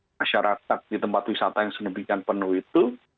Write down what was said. masyarakat di tempat wisata yang sedemikian penuh itu